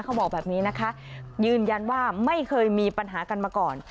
เขาบอกแบบนี้นะคะยืนยันว่าไม่เคยมีปัญหากันมาก่อน